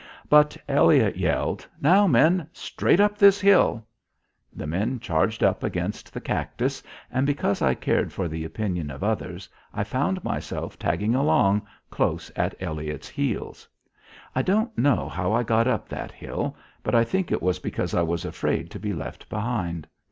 But Elliott yelled: "Now, men; straight up this hill." The men charged up against the cactus, and, because I cared for the opinion of others, I found myself tagging along close at Elliott's heels. I don't know how I got up that hill, but I think it was because I was afraid to be left behind.